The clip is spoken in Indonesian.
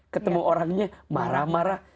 ketemu orangnya marah marah